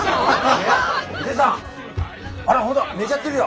あら本当だ寝ちゃってるよ。